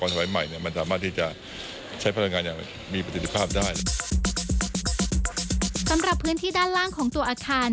สามารถที่มีอุปกรณ์ได้นะครับ